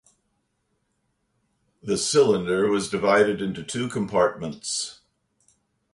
The cylinder was divided into two compartments.